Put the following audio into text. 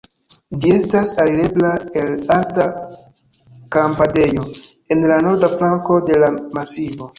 Ĝi estas alirebla el alta kampadejo en la norda flanko de la masivo.